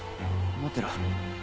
待ってろ。